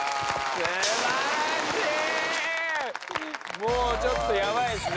もうちょっとやばいっすね。